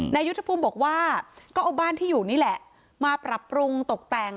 นายยุทธภูมิบอกว่าก็เอาบ้านที่อยู่นี่แหละมาปรับปรุงตกแต่ง